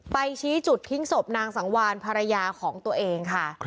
ชี้จุดทิ้งศพนางสังวานภรรยาของตัวเองค่ะ